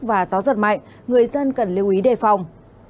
và gió giật mạnh người dân cần lưu ý đề phòng